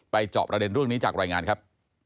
จอบประเด็นเรื่องนี้จากรายงานครับ